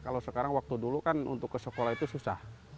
kalau sekarang waktu dulu kan untuk ke sekolah itu susah